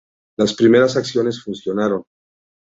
Las primeras acciones funcionaron.